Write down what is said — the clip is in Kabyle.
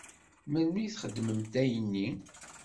Melmi i m-xedment ayenni?